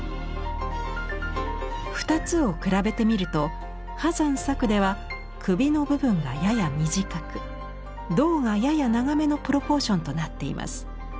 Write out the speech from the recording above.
２つを比べてみると波山作では首の部分がやや短く胴がやや長めのプロポーションとなっています。